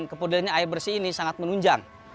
kepudarannya air bersih ini sangat menunjang